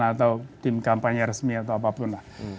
atau tim kampanye resmi atau apapun lah